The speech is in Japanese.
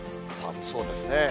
寒そうですね。